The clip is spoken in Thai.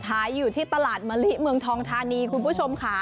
ขายอยู่ที่ตลาดมะลิเมืองทองธานีคุณผู้ชมค่ะ